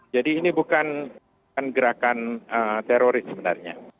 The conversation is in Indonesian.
jadi ini bukan ini bukan gerakan terori sebenarnya